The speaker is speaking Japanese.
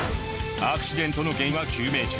アクシデントの原因は究明中。